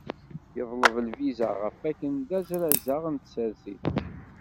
Yeḍleb lviza ɣef akken d azrazaɣ n tsertit.